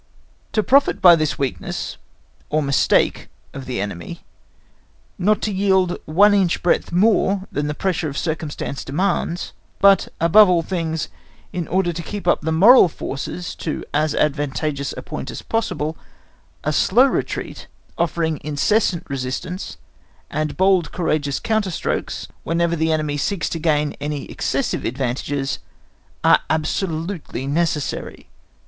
To profit by this weakness or mistake of the enemy, not to yield one inch breadth more than the pressure of circumstances demands, but above all things, in order to keep up the moral forces to as advantageous a point as possible, a slow retreat, offering incessant resistance, and bold courageous counterstrokes, whenever the enemy seeks to gain any excessive advantages, are absolutely necessary.